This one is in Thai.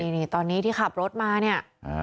นี่ตอนนี้ที่ขับรถมาเนี่ย